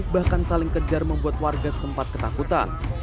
bahkan saling kejar membuat warga setempat ketakutan